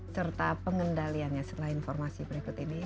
serta pengendaliannya setelah informasi berikut ini